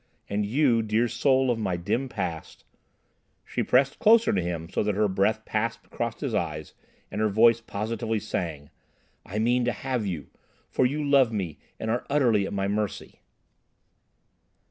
And you, dear soul of my dim past"—she pressed closer to him so that her breath passed across his eyes, and her voice positively sang—"I mean to have you, for you love me and are utterly at my mercy."